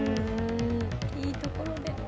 いいところで。